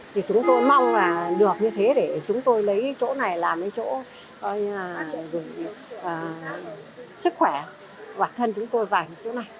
thì chúng tôi mong là được như thế để chúng tôi lấy chỗ này làm cái chỗ sức khỏe bản thân chúng tôi vài chỗ này